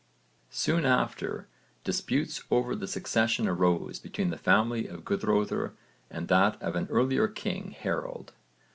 Soon after disputes over the succession arose between the family of Guðröðr and that of an earlier king Harold.